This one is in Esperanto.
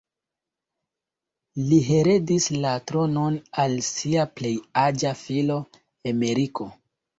Li heredis la tronon al sia plej aĝa filo, Emeriko.